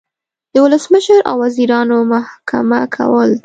د ولسمشر او وزیرانو محکمه کول